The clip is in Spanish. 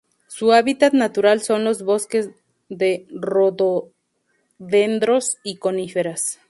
Su hábitat natural son los bosques de rododendros y coníferas.